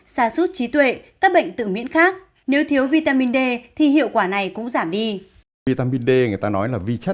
xa suốt trí tuệ các bệnh tự miễn khác nếu thiếu vitamin d thì hiệu quả này cũng giảm đi